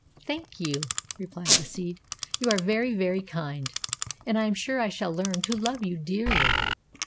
"Thank you," replied the seed; "you are very, very kind, and I am sure I shall learn to love you dearly."